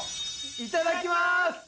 いただきます！